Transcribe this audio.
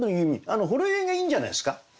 「ほろ酔ひ」がいいんじゃないですか。